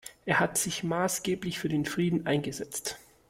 Er hat sich maßgeblich für den Frieden eingesetzt.